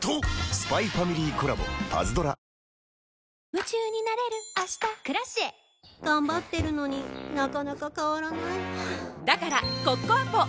夢中になれる明日「Ｋｒａｃｉｅ」頑張ってるのになかなか変わらないはぁだからコッコアポ！